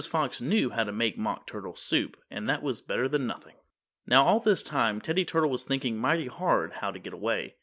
Fox knew how to make Mock Turtle Soup, and that was better than nothing! Now all this time Teddy Turtle was thinking mighty hard how to get away.